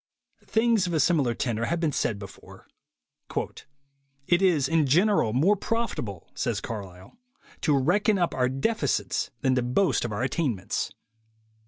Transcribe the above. Things of a similar tenor have been said before. "It is in general more profitable," says Carlyle, "to reckon up our defects than to boast of our attain ments."